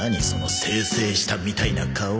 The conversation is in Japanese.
その清々したみたいな顔